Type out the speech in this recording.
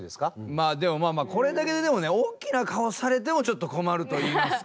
まあでもまあまあこれだけででもね大きな顔をされてもちょっと困るといいますか。